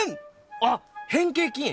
あっ変形菌！